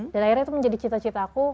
dan akhirnya itu menjadi cita citaku